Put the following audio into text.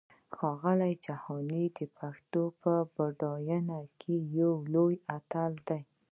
ښاغلی جهاني د پښتو په پډاینه کې یو لوی اتل دی!